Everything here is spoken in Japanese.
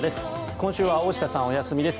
今週は大下さんお休みです。